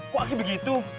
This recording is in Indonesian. kok aku begitu